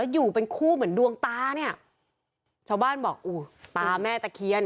อยู่เป็นคู่เหมือนดวงตาเนี่ยชาวบ้านบอกอู้ตาแม่ตะเคียน